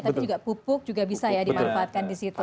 tapi juga pupuk juga bisa ya dimanfaatkan di situ